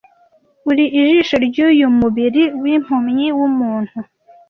Uri ijisho ryuyu mubiri wimpumyi wumuntu,